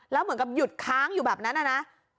แล้วเหมือนกับหยุดค้างอยู่แบบนั้นนะ